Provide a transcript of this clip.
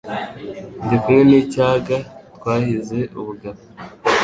ndi kumwe n' icyaga twahize ubugabo.